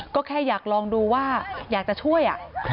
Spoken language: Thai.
ก็แค่อยากลองดูว่าอยากจะช่วย